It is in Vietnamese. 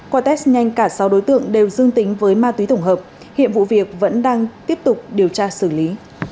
qua test nhanh cả sáu đối tượng đều dương tính với ma túy tổng hợp hiện vụ việc vẫn đang tiếp tục điều tra xử lý